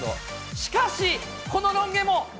しかし、このロン毛も。